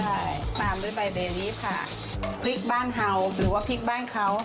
เด็กมันด้วยใบเบรดนิดค่ะพริกบ้านเฮาว์หรือว่าพริกบ้านเขา